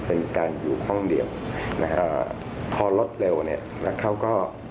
เป็นการอยู่ห้องเดี่ยวพอลดเร็วแล้วเค้าก็